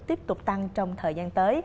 tiếp tục tăng trong thời gian tới